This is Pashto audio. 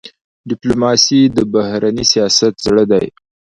ډيپلوماسي د بهرني سیاست زړه دی.